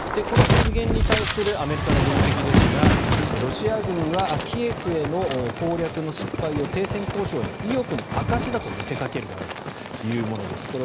この発言に対するアメリカの分析ですがロシア軍はキエフへの攻略の失敗を停戦交渉への意欲の証しだと見せかけるだろうというものです。